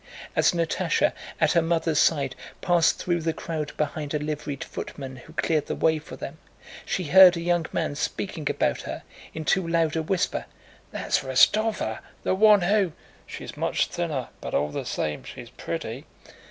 As Natásha, at her mother's side, passed through the crowd behind a liveried footman who cleared the way for them, she heard a young man speaking about her in too loud a whisper. "That's Rostóva, the one who..." "She's much thinner, but all the same she's pretty!"